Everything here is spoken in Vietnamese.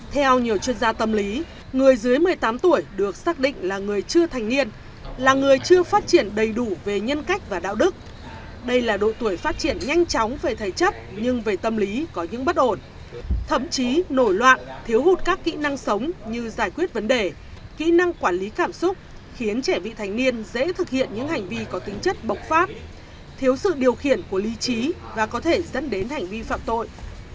theo nhiều chuyên gia tâm lý người dưới một mươi tám tuổi được xác định là người chưa thành niên là người chưa phát triển đầy đủ về nhân cách và đạo đức đây là độ tuổi phát triển nhanh chóng về thể chất nhưng về tâm lý có những bất ổn thậm chí nổi loạn thiếu hụt các kỹ năng sống như giải quyết vấn đề kỹ năng quản lý cảm xúc khiến trẻ vị thành niên dễ thực hiện những hành vi có tính chất bộc pháp thiếu sự điều khiển của lý trí và có thể dẫn đến hành vi phạm tội